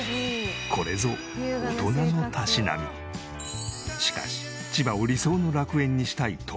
これぞしかし千葉を理想の楽園にしたいとも姉。